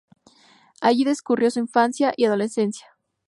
Allí discurrió su infancia y adolescencia.